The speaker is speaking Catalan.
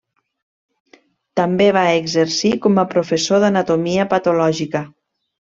També va exercir com a professor d'anatomia patològica.